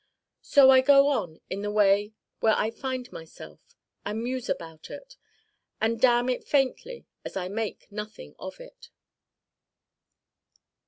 So I go on in the way where I find myself. And muse about it. And damn it faintly as I make nothing of it.